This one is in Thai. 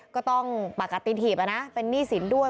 ก็ต้องปรากฏตินถีบนะเป็นนี่สินด้วย